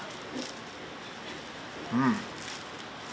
うん！